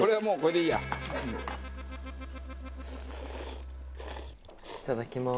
いただきます。